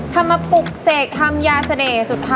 ทำมาปลุกเสกทำยาเสน่ห์สุดท้าย